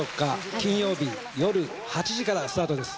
金曜日よる８時からスタートです。